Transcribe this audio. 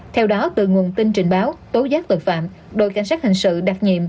theo đó từ nguồn tin trình báo tố giác luật phạm đội cảnh sát hành sự đặc nhiệm